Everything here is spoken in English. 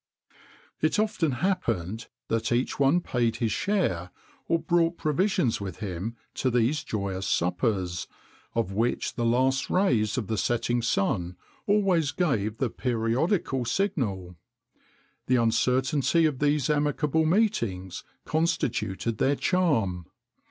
[XXIX 59] It often happened that each one paid his share, or brought provisions with him[XXIX 60] to these joyous suppers, of which the last rays of the setting sun always gave the periodical signal.[XXIX 61] The uncertainty of these amicable meetings constituted their charm.